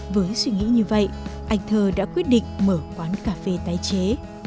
với suy nghĩ như vậy anh thơ đã quyết định mở quán cà phê tái chế